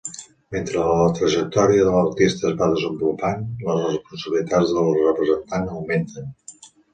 Mentre la trajectòria de l'artista es va desenvolupant, les responsabilitats del representant augmenten.